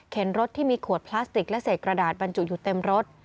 รถที่มีขวดพลาสติกและเศษกระดาษบรรจุอยู่เต็มรถ